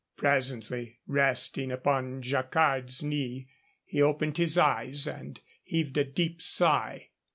Presently, resting upon Jacquard's knee, he opened his eyes and heaved a deep sigh.